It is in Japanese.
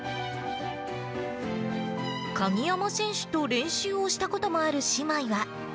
鍵山選手と練習をしたこともある姉妹は。